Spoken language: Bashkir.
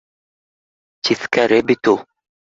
Тиҫкәре бит ул